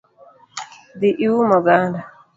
Dhi ium oganda